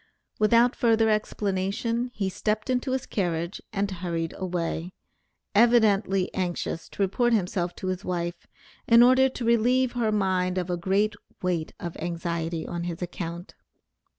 Without further explanation, he stepped into his carriage and hurried away, evidently anxious to report himself to his wife, in order to relieve her mind of a great weight of anxiety on his account.